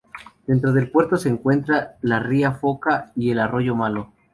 Dentro del puerto se encuentra la ría Foca y el arroyo Malo.